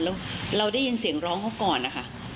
แล้วเราได้ยินเสียงร้องเขาก่อนนะคะ